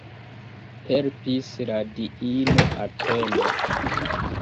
Helpis la diino Atena.